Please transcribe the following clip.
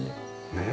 ねえ。